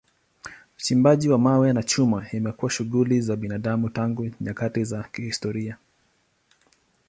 Uchimbaji wa mawe na chuma imekuwa shughuli za binadamu tangu nyakati za kihistoria.